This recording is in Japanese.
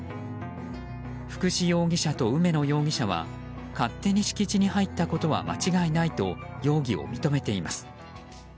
福士容疑者と梅野容疑者は勝手に敷地に入ったことは間違いないと容疑を認めています。